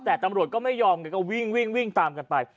แต่ตำรวจก็ไม่ยอมก็วิ่งวิ่งตามกันไป